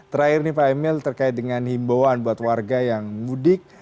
terakhir nih pak emil terkait dengan himbauan buat warga yang mudik